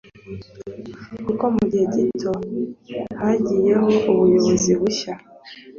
kuko mu gihe gito hagiyeho ubuyobozi bushya